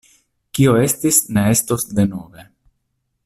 Kio estis ne estos denove.